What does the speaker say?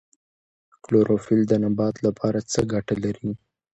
کلوروفیل د نبات لپاره څه ګټه لري